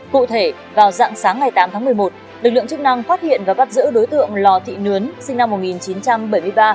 cụ thể vào dạng sáng ngày tám tháng một mươi một lực lượng chức năng phát hiện và bắt giữ đối tượng lò thị nướn sinh năm một nghìn chín trăm bảy mươi ba